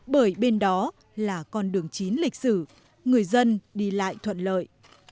bởi bên đó là con đường chín lịch sử người dân đi lại thuận lợi